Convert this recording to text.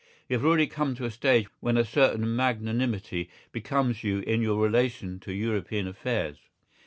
You have already come to a stage when a certain magnanimity becomes you in your relation to European affairs.